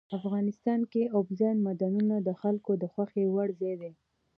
افغانستان کې اوبزین معدنونه د خلکو د خوښې وړ ځای دی.